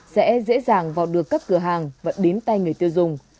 sẽ dễ dàng vào được các cửa hàng và đến tay người tiêu dùng